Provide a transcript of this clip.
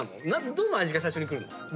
どの味が最初にくるの？